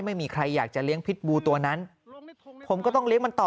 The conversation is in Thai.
ไม่มีใครอยากจะเลี้ยงพิษบูตัวนั้นผมก็ต้องเลี้ยงมันต่อ